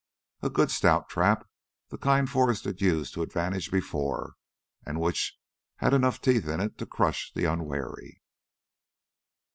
A good stout trap the kind Forrest had used to advantage before and which had enough teeth in it to crush the unwary.